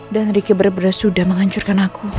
dan riki benar benar sudah menghancurkan aku